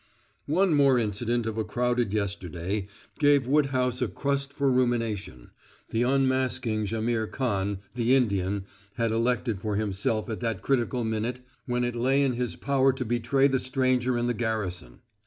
One more incident of a crowded yesterday gave Woodhouse a crust for rumination the unmasking Jaimihr Khan, the Indian, had elected for himself at that critical minute when it lay in his power to betray the stranger in the garrison.